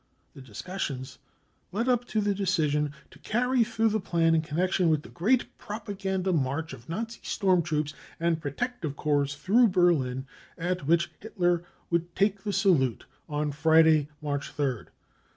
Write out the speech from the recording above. The discussions led up to the decision to carry through the plan in connection with a great propaganda march of Nazi storm troops and protective corps through Berlin, at which Hitler would take the salute, on Friday, March 3rd.